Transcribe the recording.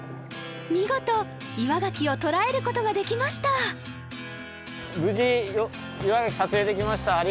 見事岩牡蠣を捉えることができました！